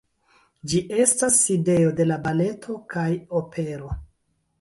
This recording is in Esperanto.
Ĝi estas sidejo de la baleto kaj opero.